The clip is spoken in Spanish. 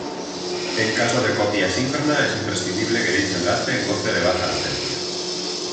En caso de copia síncrona es imprescindible que dicho enlace goce de baja latencia.